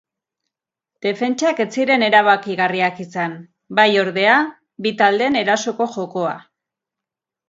Defentsak ez ziren erabakigarriak izan, bai ordea, bi taldeen erasoko jokoa.